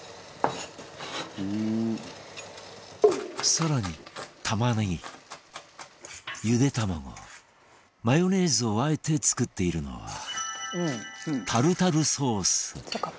更に、玉ねぎ、茹で卵マヨネーズを和えて作っているのはタルタルソース